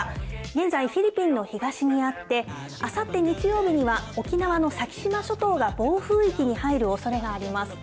現在、フィリピンの東にあって、あさって日曜日には、沖縄の先島諸島が暴風域に入るおそれがあります。